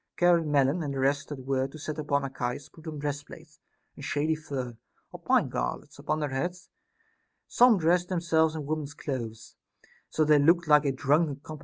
Charon, Melon, and the rest that were to set upon Archias, put on breastplates, and shady fir or pine garlands upon their heads ; some dressed themselves in women's clothes, so that they looked like a drunken com SOCRATES'S DAEMON.